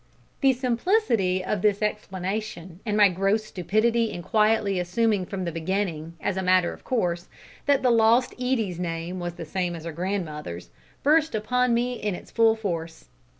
The simplicity of this explanation, and my gross stupidity in quietly assuming from the beginning, as a matter of course, that the lost Edie's name was the same as her grandmother's, burst upon me in its full force.